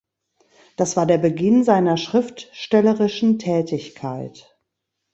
Das war der Beginn seiner schriftstellerischen Tätigkeit.